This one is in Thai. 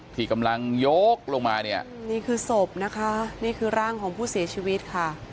ที่กำลังยกลงมาเนี่ยนี่คือศพนะคะนี่คือร่างของผู้เสียชีวิตค่ะ